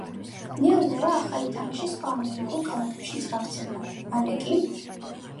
ნელ-ნელა ახალი თამაში სხვა ამერიკულ ქალაქებშიც გავრცელდა. მალე კი